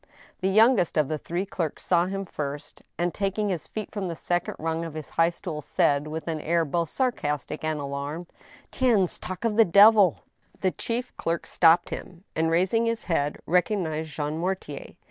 The youngest of the three clerks saw him first, and, taking his feet from the second rung of his high stool, said, with an air both sarcastic and alarmed :" Tiens! talk of the devil—" The chief clerk stopped him, and, raising his head, recognized Jean Mortier.